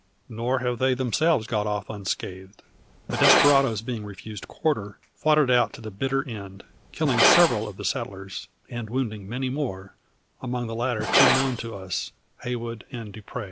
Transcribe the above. Nor have they themselves got off unscathed. The desperadoes being refused quarter, fought it out to the bitter end; killing several of the settlers, and wounding many more; among the latter two known to us Heywood and Dupre.